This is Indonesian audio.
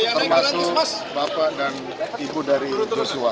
termasuk bapak dan ibu dari joshua